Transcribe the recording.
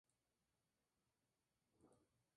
Los remolcadores son muy potentes para su tamaño.